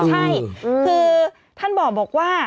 ใช่คือท่านบอกว่า